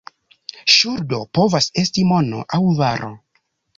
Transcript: Ŝuldo povas esti mono aŭ varo.